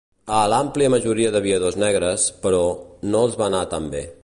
A l'àmplia majoria d'aviadors negres, però, no els va anar tan bé.